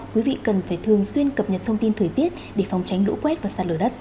quý vị cần phải thường xuyên cập nhật thông tin thời tiết để phòng tránh lũ quét và sạt lở đất